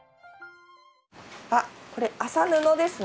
あこれ麻布ですね。